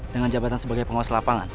dengan jabatan sebagai penguas lapangan